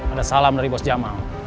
ada salam dari bos jamal